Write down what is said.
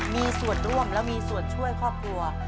มีส่วนร่วมและมีส่วนช่วยครอบครัว